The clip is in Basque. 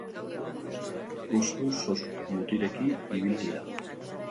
Usu sos gutirekin ibilki da.